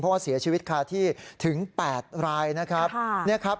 เพราะว่าเสียชีวิตคาที่ถึง๘รายนะครับ